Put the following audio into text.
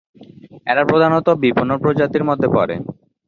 এরা প্রধানত বিপন্ন প্রজাতির মধ্যে পরে।